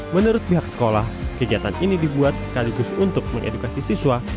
menurut pihak sekolah kegiatan ini dibuat sekaligus untuk mengedukasi siswa